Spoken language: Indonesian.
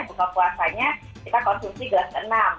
buka puasanya kita konsumsi gelas ke enam